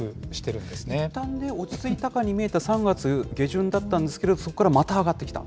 いったん落ち着いたかに見えた３月下旬だったんですけれども、そこからまた上がってきた？